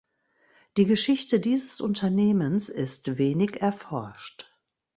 Die Geschichte dieses Unternehmens ist wenig erforscht.